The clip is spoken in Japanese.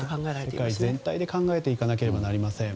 世界全体で考えていかなければなりません。